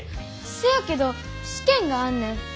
せやけど試験があんねん。